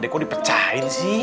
dia kok dipecahin sih